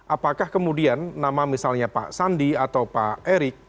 apakah kemudian nama misalnya pak sandi atau pak erik